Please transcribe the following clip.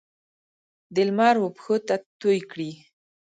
د لمر وپښوته توی کړي